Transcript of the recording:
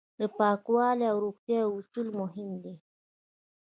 د پاکوالي او روغتیا اصول مهم دي.